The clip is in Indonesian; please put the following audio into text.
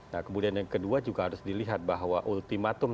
nah kemudian yang kedua juga harus dilihat bahwa ultimatum